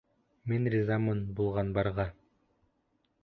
Мин ризамын булған-барға.